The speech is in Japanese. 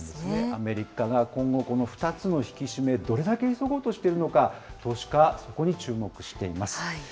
アメリカが今後、この２つの引き締め、どれだけ急ごうとしているのか、投資家はそこに注目しています。